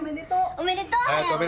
おめでとう隼人！